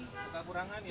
agak kurangan ya